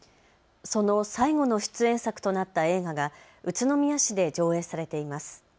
その最後の出演作となった映画が宇都宮市で上映されています。